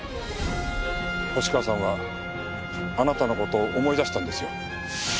星川さんはあなたの事を思い出したんですよ。